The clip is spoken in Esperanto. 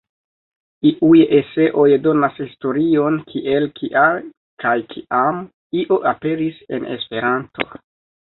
Iuj eseoj donas historion kiel, kial, kaj kiam "-io" aperis en Esperanto.